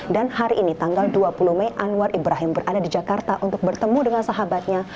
dan hari ini tanggal dua puluh mei anwar ibrahim berada di jakarta untuk bertemu dengan sahabatnya